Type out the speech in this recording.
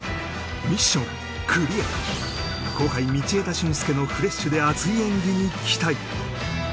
ミッションクリア後輩・道枝駿佑のフレッシュで熱い演技に期待